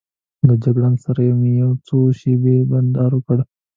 له جګړن سره مې یو څو شېبې بانډار وکړ.